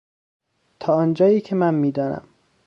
تا آنجایی که من میدانم.